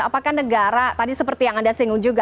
apakah negara tadi seperti yang anda singgung juga